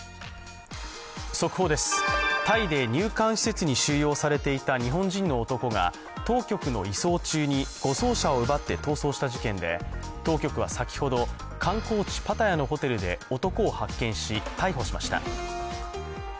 速報です、タイで入管施設に収容されていた日本人の男が当局の移送中に護送車を奪って逃走した事件で当局は先ほど、観光地パタヤのホテルで男を発見し、逮捕しました。